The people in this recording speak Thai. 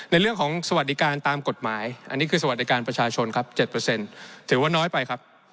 ในเรื่องของสวัสดิการตามกฎหมายอันนี้คือสวัสดิการประชาชนครับ๗ถือว่าน้อยไปครับ